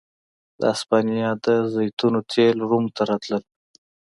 د هسپانیا د زیتونو تېل روم ته راتلل